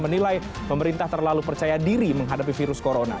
menilai pemerintah terlalu percaya diri menghadapi virus corona